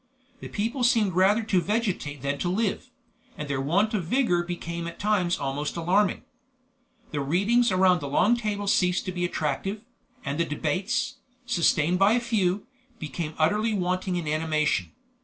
The people seemed rather to vegetate than to live, and their want of vigor became at times almost alarming. The readings around the long table ceased to be attractive, and the debates, sustained by few, became utterly wanting in animation.